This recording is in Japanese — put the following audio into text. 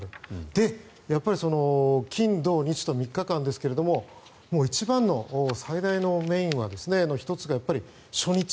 で、金土日と３日間ですが一番の最大のメインの１つが初日